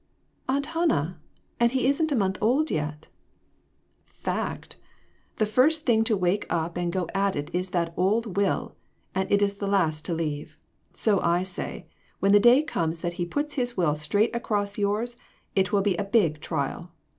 "Aunt Hannah! And he isn't a month old yet !"" Fact ! The first thing to wake up' and go at it is that old will ; and it is the last to leave. So I say, when the day comes that he puts his will straight across yours, it will be a big trial.